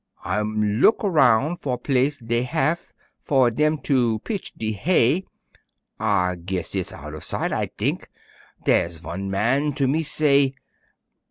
I'm look aroun' for place dey haf' For dem to pitch de hay. "I guess it's 'out of sight,' I t'ink," Dey's von man to me say.